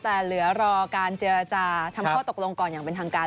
แต่เหลือรอการเจรจาทำข้อตกลงก่อนอย่างเป็นทางการ